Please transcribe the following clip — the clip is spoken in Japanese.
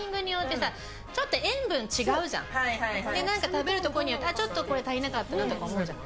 食べるところによってはちょっと足りなかったなとか思うじゃん。